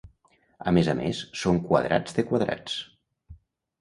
A més a més, són quadrats de quadrats.